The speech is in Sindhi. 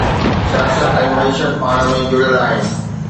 سياست ۽ معيشت پاڻ ۾ جڙيل آهن.